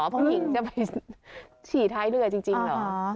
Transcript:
เพราะหญิงจะไปฉีดทายเรือจริงเหรอ